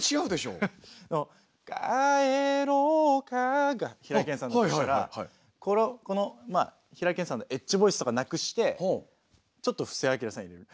「帰ろうか」が平井堅さんだとしたら平井堅さんのエッジボイスとかなくしてちょっと布施明さんを入れる。